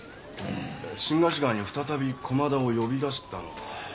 新河岸川に再び駒田を呼び出したのか。